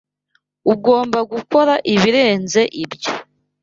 Ugomba gukora ibirenze ibyo.